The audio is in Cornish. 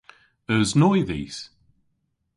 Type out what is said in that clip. Eus noy dhis?